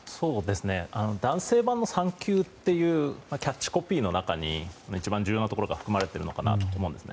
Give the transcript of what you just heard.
男性版の産休っていうキャッチコピーの中に一番重要なところが含まれているのかなと思うんですね。